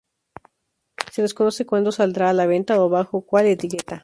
Se desconoce cuando saldrá a la venta o bajo cuál etiqueta.